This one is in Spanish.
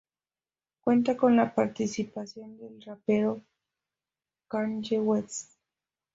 Cuenta con la participación del rapero Kanye West.